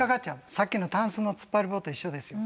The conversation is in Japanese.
さっきのタンスのつっぱり棒と一緒ですよ。